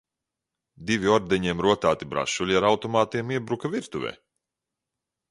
"Divi ordeņiem rotāti "brašuļi" ar automātiem iebruka virtuvē."